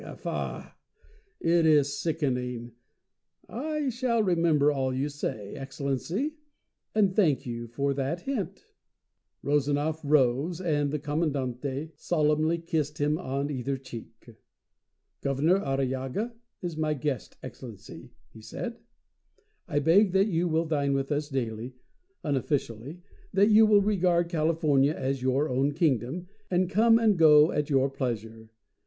Faugh! It is sickening. I shall remember all you say, Excellency; and thank you for the hint." Rezanov rose, and the Commandante solemnly kissed him on either cheek. "Governor Arrillaga is my guest, Excellency," he said. "I beg that you will dine with us daily unofficially that you will regard California as your own kingdom, and come and go at your pleasure.